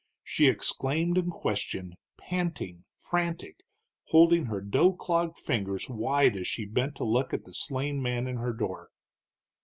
She exclaimed and questioned, panting, frantic, holding her dough clogged fingers wide as she bent to look at the slain man in her door.